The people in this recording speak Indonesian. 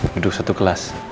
duduk satu kelas